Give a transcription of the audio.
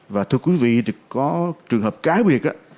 và thưa quý vị có trường hợp cái việc á